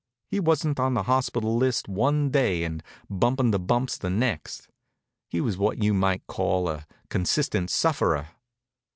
He wasn't on the hospital list one day and bumping the bumps the next. He was what you might call a consistent sufferer.